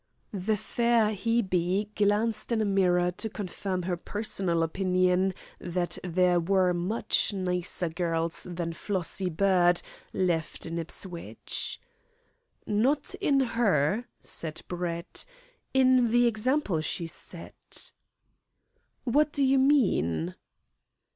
The fair Hebe glanced in a mirror to confirm her personal opinion that there were much nicer girls than Flossie Bird left in Ipswich. "Not in her," said Brett; "in the example she set." "What do you mean?"